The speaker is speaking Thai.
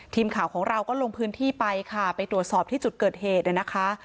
ทีมข่าวของเราก็ลงพื้นที่ไปค่ะไปตรวจสอบที่จุดเกิดเหตุนะคะ